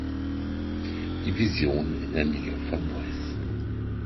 Division in der Nähe von Neuss.